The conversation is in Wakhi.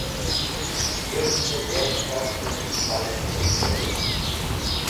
Yũrtẽr yark k̃haknẽs̃h khalg khush werẽs̃h